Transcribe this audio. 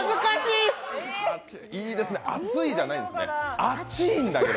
いいですね、「熱い」じゃないんですね、「あちぃ」。